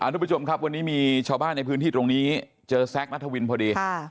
ทุกผู้ชมครับวันนี้มีชาวบ้านในพื้นที่ตรงนี้เจอแซคนัทวินพอดี